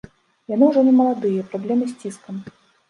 Яны ўжо немаладыя, праблемы з ціскам.